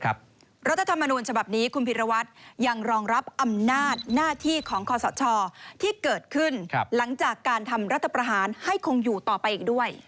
รัฐธรรมนูญฉบับนี้คุณพิรวัตรยังรองรับอำนาจหน้าที่ของคอสชที่เกิดขึ้นหลังจากการทำรัฐประหารให้คงอยู่ต่อไปอีกด้วย